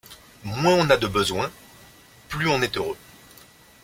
Moins on a de besoins, plus on est heureux.